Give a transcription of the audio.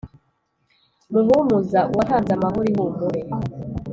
muhumuza: uwatanze amahoro, ihumure